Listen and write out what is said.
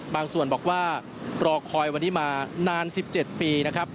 บางส่วนบอกว่ารอคอยวันนี้มานาน๑๗ปีนะครับ